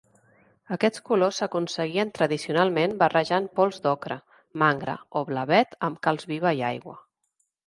Aquests colors s'aconseguien tradicionalment barrejant pols d'ocre, mangra o blavet amb calç viva i aigua.